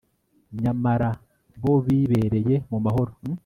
nyamara bo bibereye mu mahoro